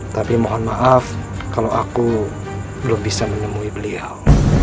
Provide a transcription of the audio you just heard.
tapi mohon maaf kalau aku belum bisa menemui beliau